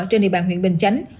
trên địa bàn huyện bình chánh